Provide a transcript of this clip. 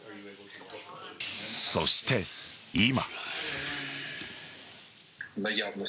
そして、今。